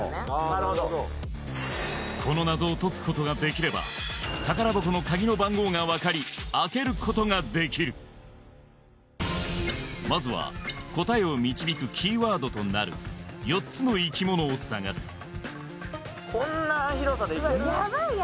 なるほどこの謎を解くことができれば宝箱のカギの番号がわかり開けることができるまずは答えを導くキーワードとなる４つの生き物を探すヤバい